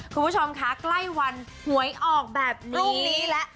คุณผู้ชมคะกล้ายวันหวยออกแบบนี้รุ่นนี้ล่ะ